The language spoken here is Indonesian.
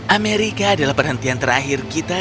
amerika adalah perhentian terakhir kita